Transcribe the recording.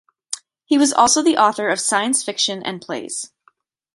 He was also the author of science fiction and plays.